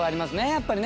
やっぱりね。